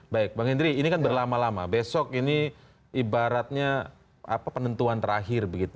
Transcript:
baik bang hendry ini kan berlama lama besok ini ibaratnya penentuan terakhir begitu ya